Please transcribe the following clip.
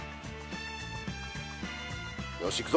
よしいくぞ。